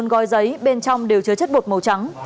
bốn gói giấy bên trong đều chứa chất bột màu trắng